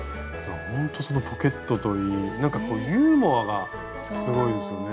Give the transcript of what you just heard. ほんとそのポケットといいユーモアがすごいですよね。